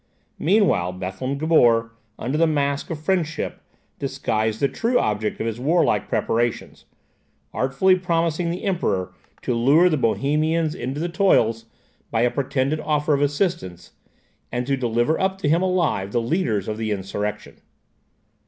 Meantime, Bethlen Gabor, under the mask of friendship, disguised the true object of his warlike preparations, artfully promising the Emperor to lure the Bohemians into the toils, by a pretended offer of assistance, and to deliver up to him alive the leaders of the insurrection.